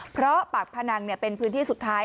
เพราะปากพนังเป็นพื้นที่สุดท้าย